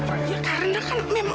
ya karena kan memang